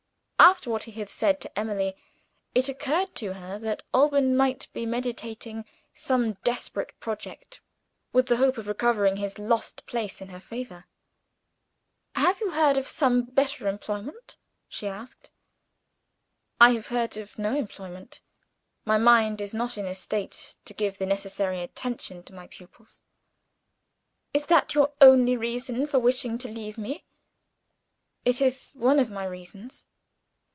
After what he had said to Emily, it occurred to her that Alban might be meditating some desperate project, with the hope of recovering his lost place in her favor. "Have you heard of some better employment?" she asked. "I have heard of no employment. My mind is not in a state to give the necessary attention to my pupils." "Is that your only reason for wishing to leave me?" "It is one of my reasons."